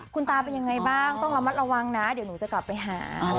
คุณตาเป็นยังไงบ้างต้องระมัดระวังนะเดี๋ยวหนูจะกลับไปหา